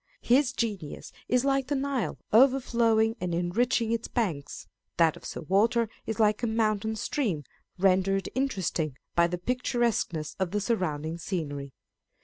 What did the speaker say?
His genius is like the Nile overflowing and enriching its banks ; that of Sir Walter is like a mountain stream rendered interesting by the picturesqueness of the surrounding scenery.